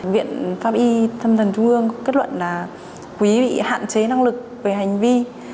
viện pháp y tâm thần trung ương kết luận là quý bị hạn chế năng lực về hành vi